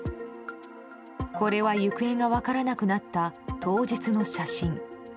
これは行方が分からなくなった当日の写真。